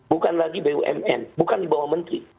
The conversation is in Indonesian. bukan lagi bumn bukan di bawah menteri